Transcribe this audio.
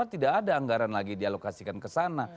dua ribu dua puluh empat tidak ada anggaran lagi dialokasikan ke sana